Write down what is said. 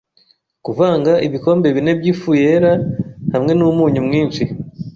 Kuvanga ibikombe bine by'ifu yera hamwe n'umunyu mwinshi